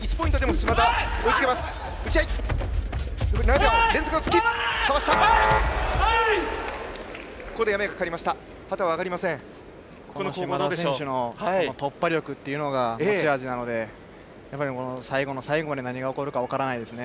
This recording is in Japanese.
嶋田選手は突破力が持ち味なので、最後の最後まで何が起こるか分かりませんね。